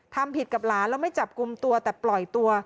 ทำผิดกับหลานแล้วไม่จับกลุ่มตัวแต่ปล่อยตัว